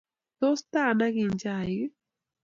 Tos ta anagin chaik ii?